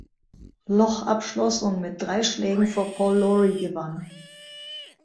Loch abschloss und mit drei Schlägen vor Paul Lawrie gewann.